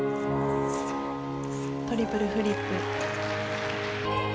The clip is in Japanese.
トリプルフリップ。